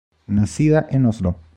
Nacida en Oslo.